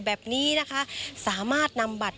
แบบนี้นะคะสามารถนำบัตร